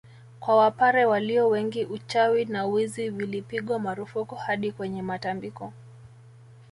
Kwa wapare walio wengi uchawi na wizi vilipigwa marufuku hadi kwenye matambiko